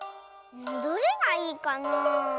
どれがいいかな？